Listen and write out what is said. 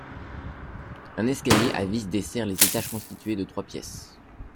Un escalier à vis dessert les étages constitués de trois pièces.